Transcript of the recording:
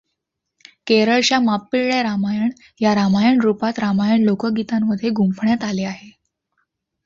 केरळच्या मापिळ्ळे रामायण या रामायण रूपात रामायण लोकगीतांमध्ये गुंफण्यात आले आहे.